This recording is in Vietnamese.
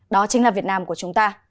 đó chính là việt nam của chúng ta